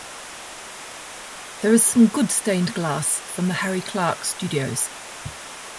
There is some good stained glass from the Harry Clarke studios.